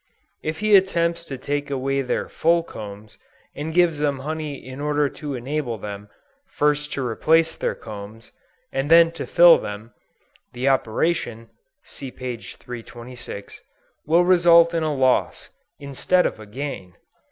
If he attempts to take away their full combs, and gives them honey in order to enable them, first to replace their combs, and then to fill them, the operation, (see p. 326,) will result in a loss, instead of a gain.